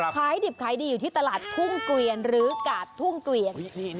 ขายดิบขายดีอยู่ที่ตลาดทุ่งเกวียนหรือกาดทุ่งเกวียน